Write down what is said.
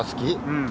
うん。